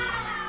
aku mau pergi